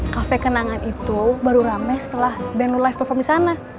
cafe kenangan itu baru rame setelah band lo live perform disana